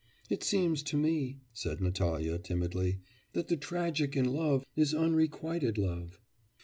'It seems to me,' said Natalya timidly, 'that the tragic in love is unrequited love.